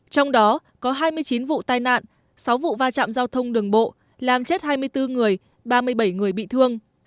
trong đó có hai mươi chín vụ tai nạn sáu vụ va chạm giao thông đường bộ làm chết hai mươi bốn người ba mươi bảy người bị thương